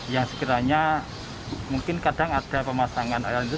yang sekiranya mungkin kadang ada pemasangan aliran listrik